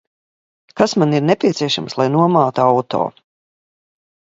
Kas man ir nepieciešams, lai nomātu auto?